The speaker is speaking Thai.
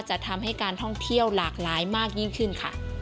จะทำให้การท่องเที่ยวหลากหลายมากยิ่งขึ้นค่ะ